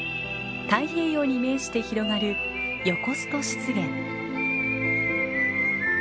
太平洋に面して広がるヨコスト湿原。